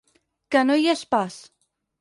Que no hi és pas.